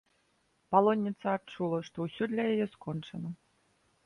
Палонніца адчула, што ўсё для яе скончана.